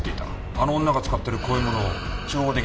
あの女が使ってるこういうものを照合出来ないか？